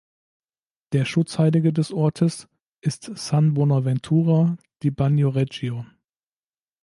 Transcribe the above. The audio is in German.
Der Schutzheilige des Ortes ist San Bonaventura di Bagnoregio.